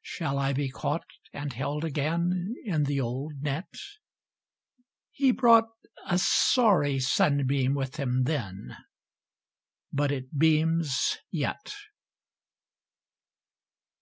Shall I be caught and held again In the old net? — He brought a sorry sunbeam with him then, But it beams yet.